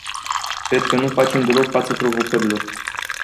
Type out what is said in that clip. Cred că nu facem deloc față provocărilor.